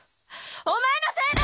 お前のせいだ‼